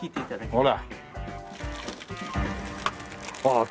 ほら。